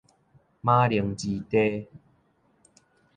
馬鈴薯炱